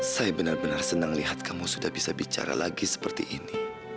saya benar benar senang lihat kamu sudah bisa bicara lagi seperti ini